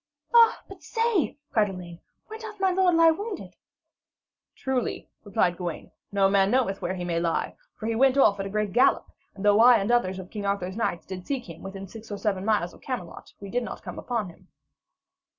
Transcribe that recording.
'Ah, but say,' cried Elaine, 'where doth my lord lie wounded?' 'Truly,' replied Gawaine, 'no man knoweth where he may lie. For he went off at a great gallop, and though I and others of King Arthur's knights did seek him within six or seven miles of Camelot, we could not come upon him.'